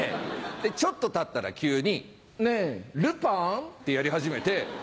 ちょっとたったら急に「ねぇルパン」ってやり始めて。